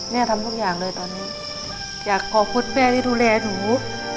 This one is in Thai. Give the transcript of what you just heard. ทำทุกอย่างเลยตอนนี้อยากขอบคุณแม่ที่ดูแลหนู